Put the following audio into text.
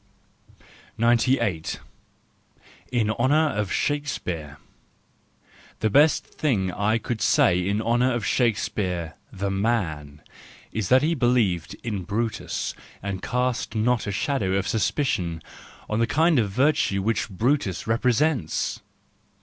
THE JOYFUL WISDOM, II 131 98. In Honour of Shakespeare. — The best thing I could say in honour of Shakespeare, the man , is that he believed in Brutus and cast not a shadow of suspicion on the kind of virtue which Brutus represents!